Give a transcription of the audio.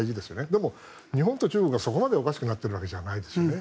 でも日本と中国はそこまでおかしくなってるわけじゃないですよね。